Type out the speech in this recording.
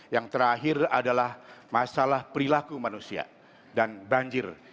yang terakhir adalah masalah perilaku manusia dan banjir